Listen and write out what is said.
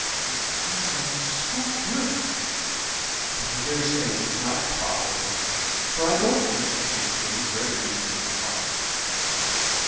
At times I am so fearful. But I daresay it is not probable, for I don't think she takes things very deeply to heart."